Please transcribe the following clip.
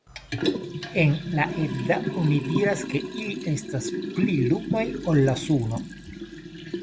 En la Edda oni diras ke ili estas pli lumaj ol la suno.